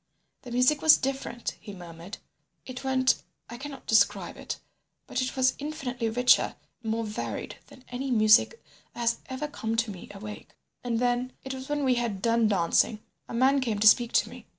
"The music was different," he murmured. "It went—I cannot describe it; but it was infinitely richer and more varied than any music that has ever come to me awake. "And then—it was when we had done dancing—a man came to speak to me.